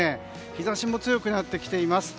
日差しも強くなってきています。